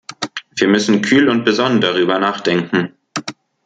Wir müssen kühl und besonnen darüber nachdenken.